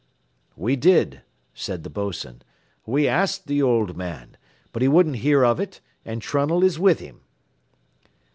"We did," said the bos'n; "we asked the old man, but he wouldn't hear of it, and Trunnell is with him."